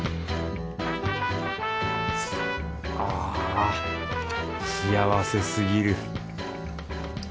ああ幸せすぎる。